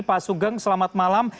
pak sugeng selamat malam